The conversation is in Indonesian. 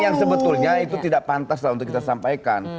yang sebetulnya itu tidak pantas lah untuk kita sampaikan